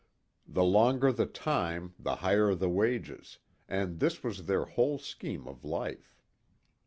The longer the "time" the higher the wages, and this was their whole scheme of life.